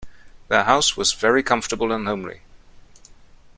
Their house was very comfortable and homely